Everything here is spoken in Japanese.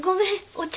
お茶。